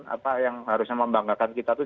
apa yang harusnya membanggakan kita itu